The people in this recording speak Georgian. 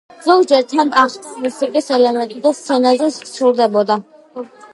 ზოგჯერ თან ახლდა მუსიკის ელემენტი და სცენაზეც სრულდებოდა.